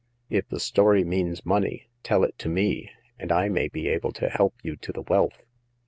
If the story means money, tell it to me, and I may be able to help you to the wealth.